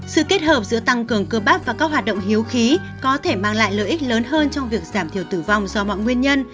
sự kết hợp giữa tăng cường cơ bát và các hoạt động hiếu khí có thể mang lại lợi ích lớn hơn trong việc giảm thiểu tử vong do mọi nguyên nhân